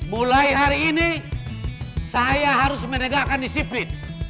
mulai hari ini saya harus menegakkan disiplin